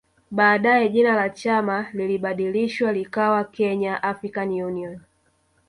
Baadae jina la chama lilibadilishwa likawa Kenya African Union